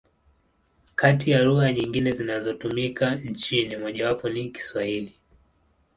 Kati ya lugha nyingine zinazotumika nchini, mojawapo ni Kiswahili.